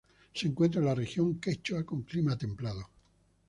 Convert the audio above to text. Se encuentra en la Región Quechua, con clima templado.